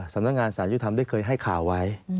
สำนักงานสารยุธรรมได้เคยให้ข่าวไว้